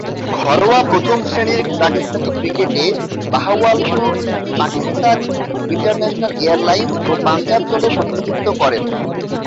ঘরোয়া প্রথম-শ্রেণীর পাকিস্তানি ক্রিকেটে বাহাওয়ালপুর, পাকিস্তান ইন্টারন্যাশনাল এয়ারলাইন্স ও পাঞ্জাব দলের প্রতিনিধিত্ব করেন।